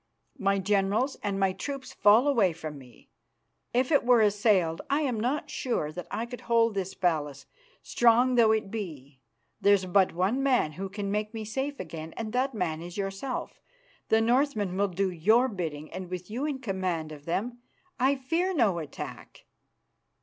My generals and my troops fall away from me. If it were assailed, I am not sure that I could hold this palace, strong though it be. There's but one man who can make me safe again, and that man is yourself. The Northmen will do your bidding, and with you in command of them I fear no attack.